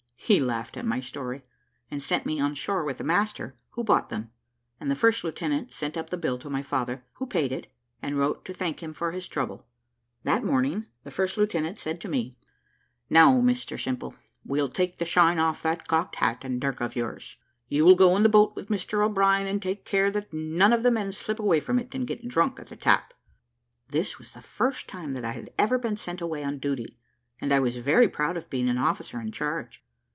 He laughed at my story, and sent me on shore with the master, who bought them, and the first lieutenant sent up the bill to my father, who paid it, and wrote to thank him for his trouble. That morning, the first lieutenant said to me, "Now, Mr Simple, we'll take the shine off that cocked hat and dirk of yours. You will go in the boat with Mr O'Brien, and take care that none of the men slip away from it and get drunk at the tap." This was the first time that I had ever been sent away on duty, and I was very proud of being an officer in charge.